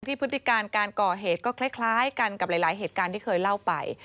พฤติการการก่อเหตุก็คล้ายกันกับหลายเหตุการณ์ที่เคยเล่าไป